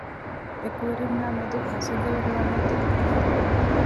އެކުވެރިންނާ މެދު ހަސަދަވެރި ވަނީތަ؟